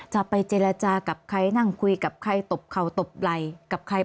จะไปเจรจากับใครนั่งคุยกับใครตบเข่าตบไหล่กับใคร